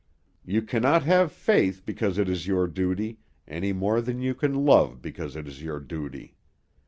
You cannot have faith because it is your duty any more than you can love because it is your duty.